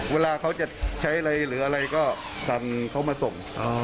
เวลาเขาจะใช้อะไรหรืออะไรก็สั่งเขามาส่ง